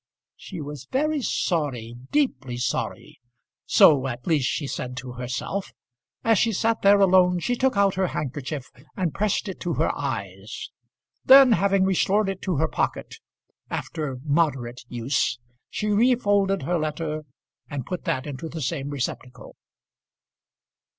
She was very sorry, deeply sorry; so, at least, she said to herself. As she sat there alone, she took out her handkerchief and pressed it to her eyes. Then, having restored it to her pocket, after moderate use, she refolded her letter, and put that into the same receptacle.